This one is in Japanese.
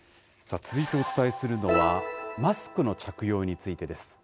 続いてお伝えするのは、マスクの着用についてです。